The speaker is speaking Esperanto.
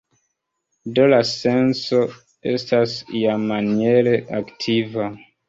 Do la senso estas iamaniere aktiva.